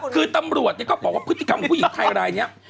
คือตำรวจก็บอกว่าพฤติกรรมผู้หญิงไทยอะไรเนี่ย